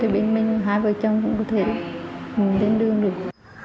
bên mình hai vợ chồng cũng có thể lên đường được